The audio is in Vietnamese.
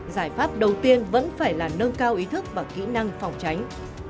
giải pháp đầu tiên vẫn phải là nâng cao ý thức và kỹ năng phòng tránh